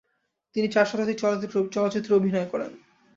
তিনি চার শতাধিক চলচ্চিত্রে অভিনয় করেন।